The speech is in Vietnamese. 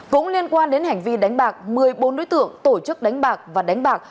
cũng liên quan đến hành vi đánh bạc một mươi bốn đối tượng tổ chức đánh bạc và đánh bạc